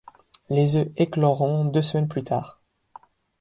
Les œufs écloront deux semaines plus tard.